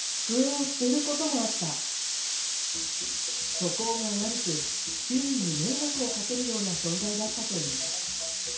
素行が悪く、周囲に迷惑をかけるような存在だったといいます。